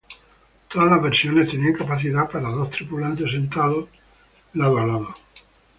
Todas las versiones tenían capacidad para dos tripulantes sentados lado a lado.